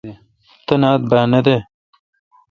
تنا با نہ دہ۔